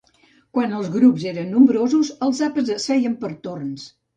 Quan els grups eren nombrosos, els àpats es feien per torns.